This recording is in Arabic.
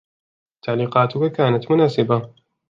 تعليقاتك كانت مناسبة.